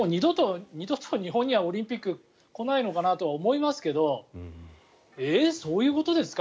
二度と日本にはオリンピック来ないのかなと思いますけどえ、そういうことですか？